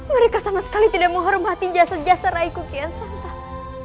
mereka sama sekali tidak menghormati jasa jasa raiku kian santap